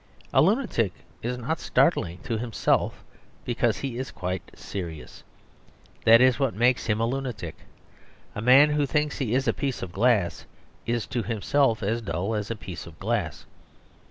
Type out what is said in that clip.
A lunatic is not startling to himself, because he is quite serious; that is what makes him a lunatic. A man who thinks he is a piece of glass is to himself as dull as a piece of glass.